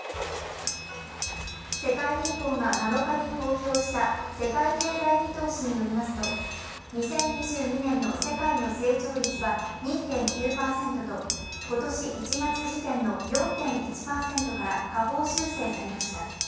世界銀行が７日に公表した世界経済見通しによりますと、２０２２年の世界の成長率は２．９％と今年１月時点の４．１％から下方修正されました。